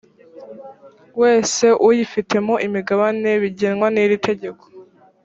wese uyifitemo imigabane bigengwa n iri tegeko